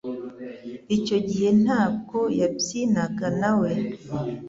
Icyo gihe ntabwo yabyinaga nawe